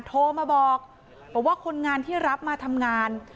โทรมาบอกบอกว่าคนงานที่รับมาทำงาน